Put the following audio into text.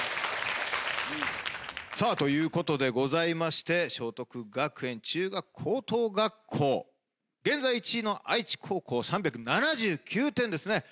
さあということでございまして聖徳学園中学・高等学校現在１位の愛知高校３７９点ですね